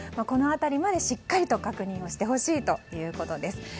この辺りまでしっかりと確認してほしいということです。